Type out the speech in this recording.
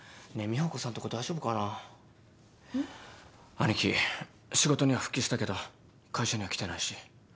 兄貴仕事には復帰したけど会社には来てないし。